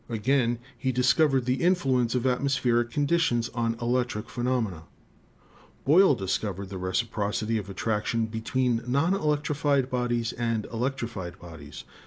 Again, he discovered the influence of atmospheric conditions on electric phenomena. i55 156 ELECTRICITY "Boyle discovered the reciprocity of attraction between non electrified bcdies and electrified bodies.